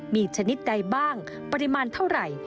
มีชนิดใดบ้างปริมาณเท่าไหร่